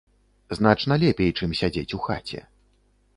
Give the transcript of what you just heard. Значна лепей, чым сядзець у хаце.